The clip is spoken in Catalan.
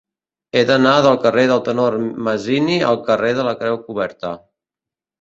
He d'anar del jardí del Tenor Masini al carrer de la Creu Coberta.